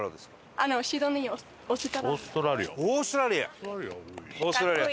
伊達：オーストラリア！